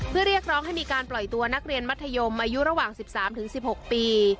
เพื่อเรียกร้องให้มีการปล่อยตัวนักเรียนมัธยมอายุระหว่าง๑๓๑๖ปี